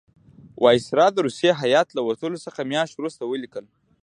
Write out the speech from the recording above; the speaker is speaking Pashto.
وایسرا د روسی هیات له وتلو څه میاشت وروسته ولیکل.